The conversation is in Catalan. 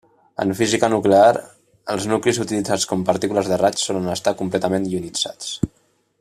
En física nuclear, els nuclis utilitzats com partícules de raig solen estar completament ionitzats.